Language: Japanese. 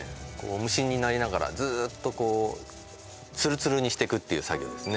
無心になりながらずっとツルツルにしていくっていう作業ですね